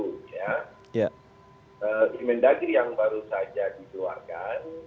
kementerian kewilaihan kemendagri yang baru saja dikeluarkan